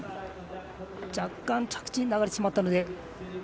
若干着地が流れてしまったので。